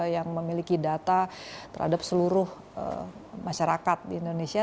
yang memiliki data terhadap seluruh masyarakat di indonesia